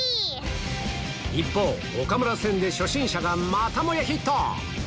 一方岡村船で初心者がまたもやヒット！